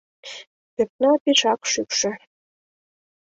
— Пӧртна пешак шӱкшӧ...